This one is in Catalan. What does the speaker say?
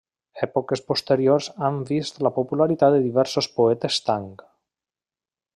Èpoques posteriors han vist la popularitat de diversos poetes Tang.